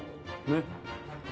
ねっ。